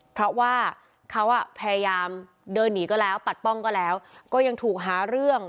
เพราะว่าเขาพยายามเดินหนีก็แล้วปัดป้องก็แล้วก็ยังถูกหาเรื่อง